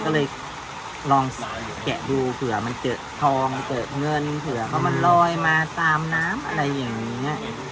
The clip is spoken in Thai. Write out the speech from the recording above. ก็เลยลองแกะดูเผื่อมันเกิดทองเกิดเงินเผื่อเขามันลอยมาตามน้ำอะไรอย่างนี้